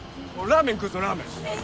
ラーメン食うぞラーメン。